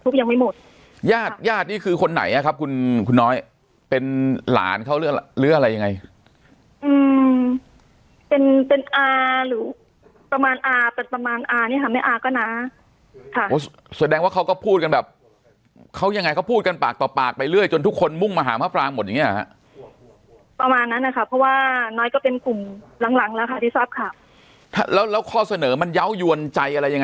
เขาเลือกเลือกอะไรยังไงอืมเป็นเป็นอ่าหรือประมาณอ่าเป็นประมาณอ่านี่ค่ะไม่อ่าก็น้าค่ะส่วนแดงว่าเขาก็พูดกันแบบเขายังไงเขาพูดกันปากต่อปากไปเรื่อยจนทุกคนมุ่งมาหามะปรางหมดอย่างเงี้ยฮะประมาณนั้นน่ะค่ะเพราะว่าน้อยก็เป็นกลุ่มหลังหลังแล้วค่ะที่ทราบค่ะแล้วแล้วข้อเสนอมันเย้ายวนใจอะไรยัง